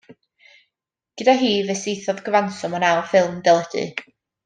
Gyda hi fe saethodd gyfanswm o naw ffilm deledu.